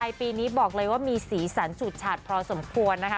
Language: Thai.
อ้าวอันนี้ปีนี้บอกเลยว่ามีสีสันชุดชัดพอสมควรนะคะ